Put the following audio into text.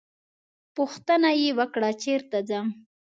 پوښتنه یې وکړه چېرته ځم.